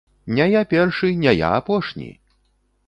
Не я першы, не я апошні!